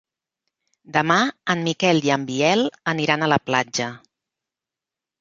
Demà en Miquel i en Biel aniran a la platja.